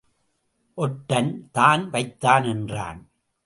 ஒட்டன்தான் வைத்தான் என்றான்.